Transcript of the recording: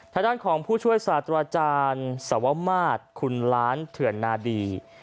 ทางด้านของผู้ช่วยศาสตราจารย์สวมาศคุณล้านเถื่อนนาดี